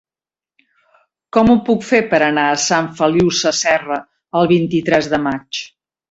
Com ho puc fer per anar a Sant Feliu Sasserra el vint-i-tres de maig?